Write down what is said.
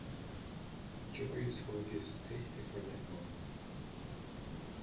Joey's hoagies taste different anymore.